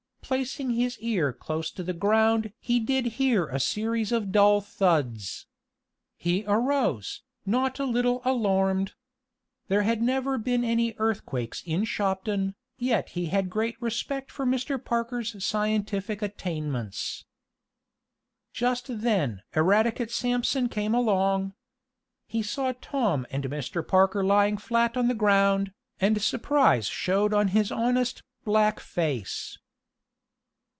Placing his ear close to the ground he did hear a series of dull thuds. He arose, not a little alarmed. There had never been any earthquakes in Shopton, yet he had great respect for Mr. Parker's scientific attainments. Just then Eradicate Sampson came along. He saw Tom and Mr. Parker lying flat on the ground, and surprise showed on his honest, black face.